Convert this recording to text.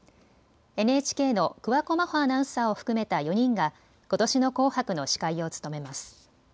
ＮＨＫの桑子真帆アナウンサーを含めた４人がことしの紅白の司会を務めます。